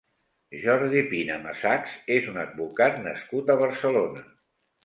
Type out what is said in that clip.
Jordi Pina Massachs és un advocat nascut a Barcelona.